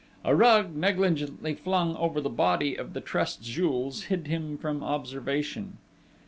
A rug, negligently flung over the body of the trussed Jules, hid him from observation.